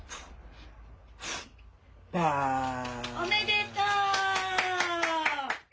おめでとう！